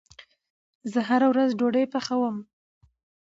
زه هره ورځ ډوډې پخوم